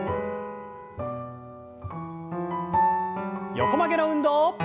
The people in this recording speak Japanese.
横曲げの運動。